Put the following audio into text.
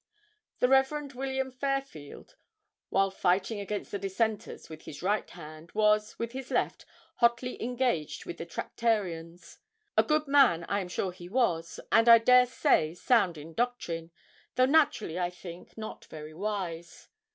The Rev. William Fairfield, while fighting against the Dissenters with his right hand, was, with his left, hotly engaged with the Tractarians. A good man I am sure he was, and I dare say sound in doctrine, though naturally, I think, not very wise.